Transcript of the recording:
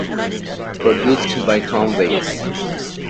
Produced by Tom Waits.